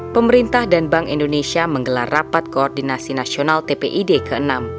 pemerintah dan bank indonesia menggelar rapat koordinasi nasional tpid ke enam